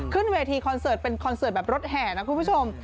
ขึ้นเวทีคอนเสิร์ตเป็นคอนเสิร์ตแบบรถแห่นะคุณผู้ชม